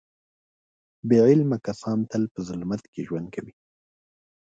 بې علمه کسان تل په ظلمت کې ژوند کوي.